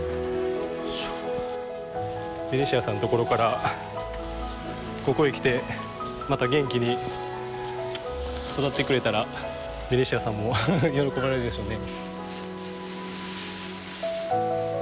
ベニシアさんのところからここへ来てまた元気に育ってくれたらベニシアさんも喜ばれるでしょうね。